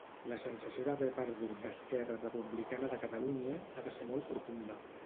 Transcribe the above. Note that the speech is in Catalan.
La sensació d'haver perdut d'Esquerra Republicana de Catalunya ha de ser molt profunda.